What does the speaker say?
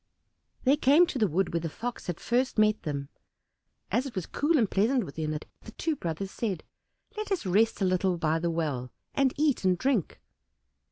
They came to the wood where the Fox had first met them, as it was cool and pleasant within it, the two brothers said, "Let us rest a little by the well, and eat and drink."